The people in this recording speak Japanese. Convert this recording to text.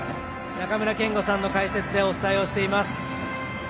中村憲剛さんの解説でお伝えをしています。